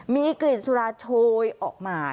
มีกลิ่นสุราโชยออกมา